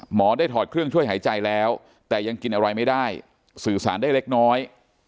หมอได้ถอดเครื่องช่วยหายใจแล้วแต่ยังกินอะไรไม่ได้สื่อสารได้เล็กน้อย